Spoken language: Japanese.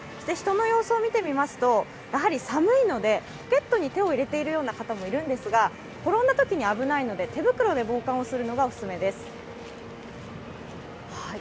人の様子を見てみますと、やはり寒いのでポケットに手を入れている方もいるのですが転んだときに危ないので、手袋で防寒するのがお勧めです。